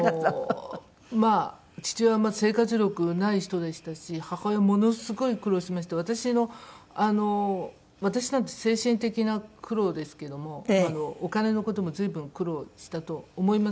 父親も生活力ない人でしたし母親ものすごい苦労しまして私のあの私なんて精神的な苦労ですけどもお金の事も随分苦労したと思いますよ。